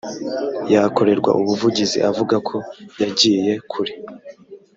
yakorerwa ubuvugizi avuga ko yagiye kure